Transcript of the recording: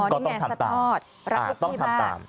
อ๋อนี่แม่สัดทอดรับรบที่บ้าง